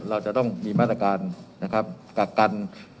เราจะต้องมีมาตรการนะครับกักกัน